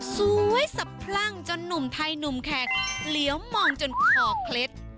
สวยสะพรั่งจนหนุ่มไทยหนุ่มแขกเหลียวมองจนคอเคล็ด